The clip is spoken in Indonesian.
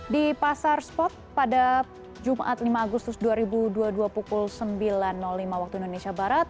di pasar spot pada jumat lima agustus dua ribu dua puluh dua pukul sembilan lima waktu indonesia barat